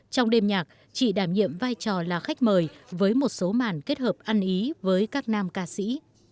trong đêm nhạc chị đảm nhiệm vai trò là khách mời với một số màn kết hợp ăn ý với các nam ca sĩ